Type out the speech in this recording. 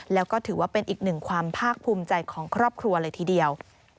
แล้วก็ถือว่าเป็นอีกหนึ่งความภาคภูมิใจของครอบครัวเลยทีเดียว